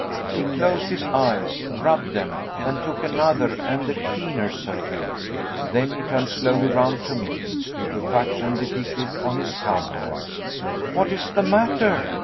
He closed his eyes, rubbed them, and took another and a keener survey. Then he turned slowly round to me, stupefaction depicted on his countenance. "What is the matter?"